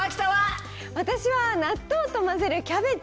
私は、納豆と混ぜるキャベツ。